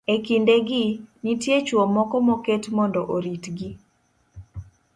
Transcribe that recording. E kindegi, nitie chwo moko moket mondo oritgi.